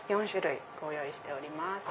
４種類ご用意しております。